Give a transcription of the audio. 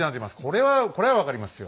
これはこれは分かりますよ。